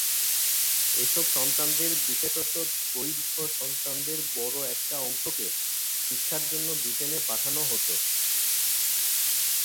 এসব সন্তানদের বিশেষত বৈধ সন্তানদের বড় একটা অংশকে শিক্ষার জন্য ব্রিটেনে পাঠানো হতো।